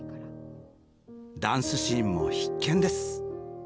ダンスシーンも必見です！